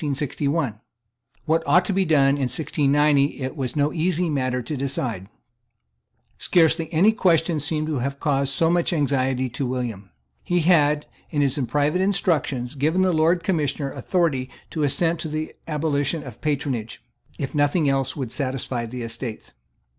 What ought to be done in 1690 it was no easy matter to decide. Scarcely any question seems to have caused so much anxiety to William. He had, in his private instructions, given the Lord Commissioner authority to assent to the abolition of patronage, if nothing else would satisfy the Estates.